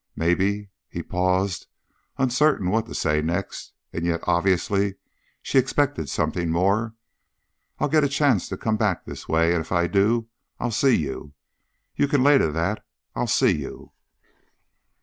Maybe" he paused, uncertain what to say next, and yet obviously she expected something more "I'll get a chance to come back this way, and if I do, I'll see you! You can lay to that I'll see you!"